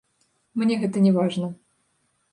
Мне гэта не важна.